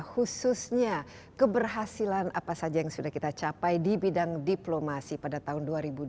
khususnya keberhasilan apa saja yang sudah kita capai di bidang diplomasi pada tahun dua ribu dua puluh